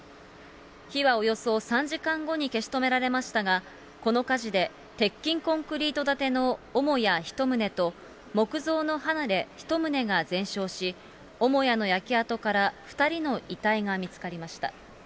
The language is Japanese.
火はおよそ３時間後に消し止められましたが、この火事で鉄筋コンクリート建ての母屋１棟と、木造の離れ１棟が全焼し、母屋の焼け跡から２人の遺体が見つかりました。